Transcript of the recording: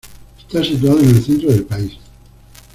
Está situado en el centro del país.